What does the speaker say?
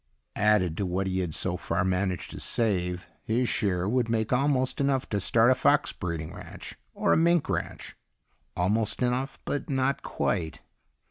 Added to what he had so far managed to save, his share would make almost enough to start a fox breeding ranch. Or a mink ranch. Almost enough but not quite.